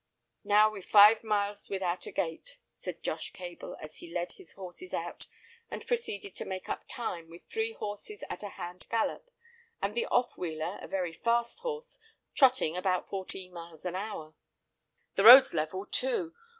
Now we've five miles without a gate," said Josh Cable as he led his horses out and proceeded to make up time, with three horses at a hand gallop, and the off wheeler, a very fast horse, trotting about fourteen miles an hour; "the road's level, too.